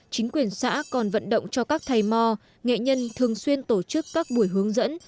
chính quyền xã còn vận động cho các thầy mò nghệ nhân thường xuyên tổ chức các buổi hướng dẫn